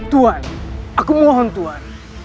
tuhan aku mohon tuhan